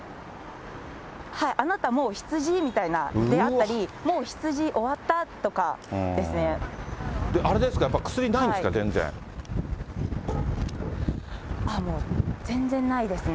あなたもう羊みたいなのであってり、もう羊終わった？とかであれですか、やっぱり薬ないもう全然ないですね。